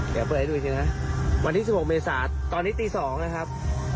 เดี๋ยวเปิดให้ดูดินะวันที่สิบหกเมษาตอนนี้ตีสองนะครับ